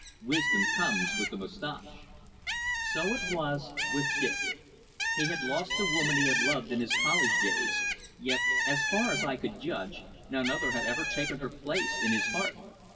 Wisdom comes with the moustache. So it was with Dick. He had lost the woman he had loved in his college days, yet, as far as I could judge, none other had ever taken her place in his heart.